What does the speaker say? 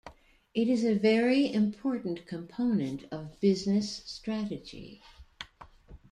It is a very important component of business strategy.